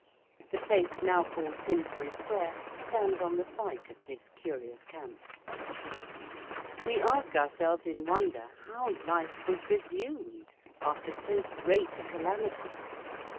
The place now called Finsbury Square stands on the site of this curious camp. [Illustration: PAUL PINDAR'S HOUSE.] We ask ourselves in wonder how life was resumed after so great a calamity.